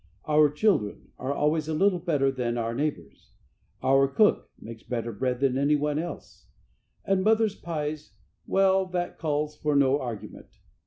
"Our children" are always a little better than our neighbors'. "Our cook" makes better bread than anyone else. And "mother's pies" well, that calls for no argument.